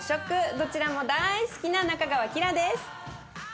どちらも大好きな仲川希良です。